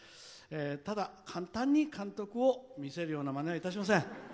ただ、簡単に監督を見せるようなまねはいたしません。